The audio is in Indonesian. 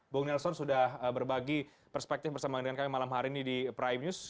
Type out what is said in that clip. bung nelson sudah berbagi perspektif bersama dengan kami malam hari ini di prime news